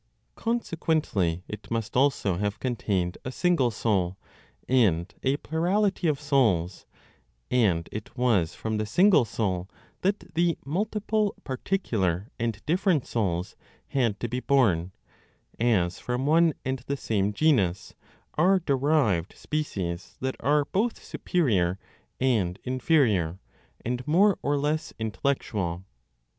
Consequently, it must also have contained a single Soul, and a plurality of souls; and it was from the single Soul, that the multiple particular and different souls had to be born, as from one and the same genus are derived species that are both superior and inferior, and more or less intellectual.